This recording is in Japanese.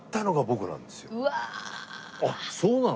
あっそうなの？